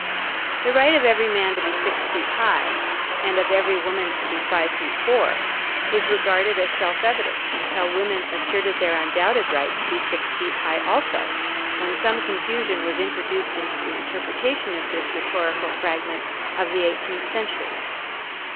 The right of every man to be six feet high, and of every woman to be five feet four, was regarded as self evident until women asserted their undoubted right to be six feet high also, when some confusion was introduced into the interpretation of this rhetorical fragment of the eighteenth century.